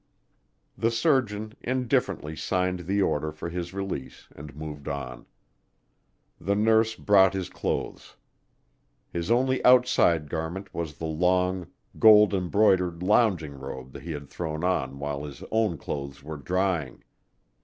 The surgeon indifferently signed the order for his release and moved on. The nurse brought his clothes. His only outside garment was the long, gold embroidered lounging robe he had thrown on while his own clothes were drying.